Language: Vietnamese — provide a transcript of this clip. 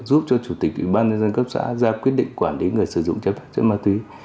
giúp cho chủ tịch ubnd cấp xã ra quyết định quản lý người sử dụng trái phép chất ma túy